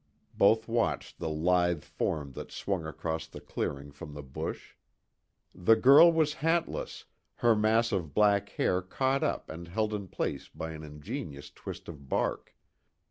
Both watched the lithe form that swung across the clearing from the bush. The girl was hatless, her mass of black hair, caught up and held in place by an ingenious twist of bark.